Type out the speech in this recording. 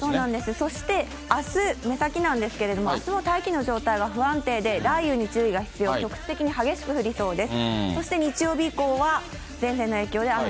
そしてあす、目先なんですけれども、あすは大気の状態が不安定で、雷雨に注意が必要、局地的に激しく降りそうです。